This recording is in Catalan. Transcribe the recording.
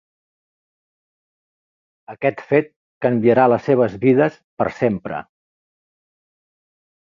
Aquest fet canviarà les seves vides per sempre.